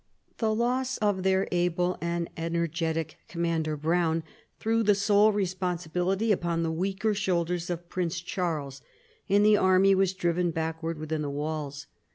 The loss of their able and energetic commander, Browne, threw the sole re sponsibility upon the weaker shoulders of Prince Charles, and the army was driven backward within the walls.